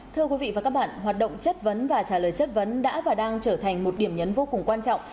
thưa quý vị và các bạn hoạt động chất vấn và trả lời chất vấn đã và đang trở thành một điểm nhấn vô cùng quan trọng